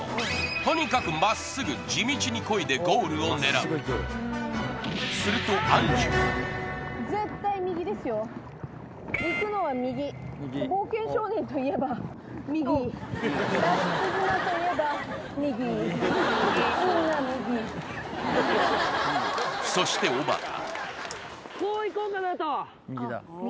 とにかく真っすぐ地道に漕いでゴールを狙うすると杏樹は行くのは右そしておばた